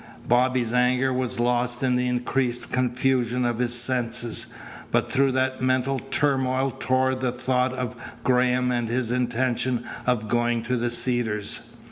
Bobby's anger was lost in the increased confusion of his senses, but through that mental turmoil tore the thought of Graham and his intention of going to the Cedars.